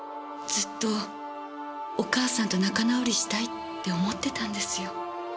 ずっとお母さんと仲直りしたいって思ってたんですよ。